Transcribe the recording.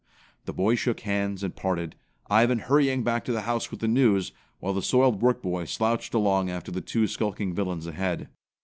The boys shook hands and parted, Ivan hurrying back to the house with the news, while the soiled work boy slouched along after the two skulking villains ahead.